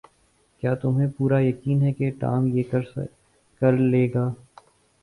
کیا تمہیں پورا یقین ہے کہ ٹام یہ کر لے گا؟